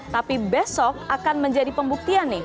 tapi besok akan menjadi pembuktian nih